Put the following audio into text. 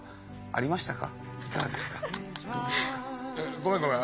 ごめんごめん。